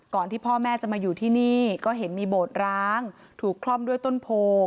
ที่พ่อแม่จะมาอยู่ที่นี่ก็เห็นมีโบสถ์ร้างถูกคล่อมด้วยต้นโพ